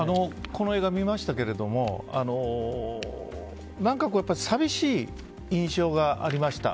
この映画、見ましたけど何か寂しい印象がありました。